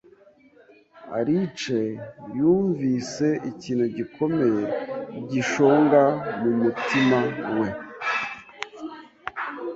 Alice yumvise ikintu gikomeye gishonga mumutima we.